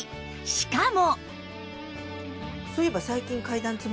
しかも